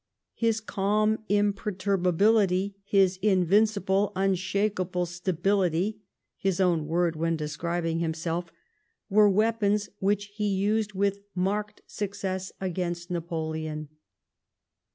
His calm imperturbability, his invincible, unshakablCy " stability " (his own word when describing himself), were weapons which he used with marked success against Napoleon.